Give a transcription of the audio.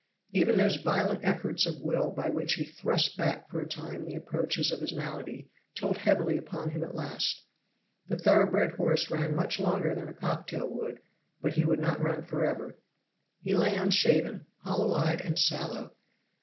Even those violent efforts of will by which he thrust back for a time the approaches of his malady told heavily upon him at last. The thorough bred horse ran much longer than a cocktail would, but he could not run forever. He lay unshaven, hollow eyed and sallow.